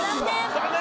残念。